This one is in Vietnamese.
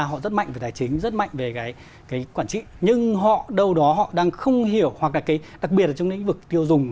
họ rất mạnh về tài chính rất mạnh về cái quản trị nhưng họ đâu đó họ đang không hiểu hoặc là cái đặc biệt là trong lĩnh vực tiêu dùng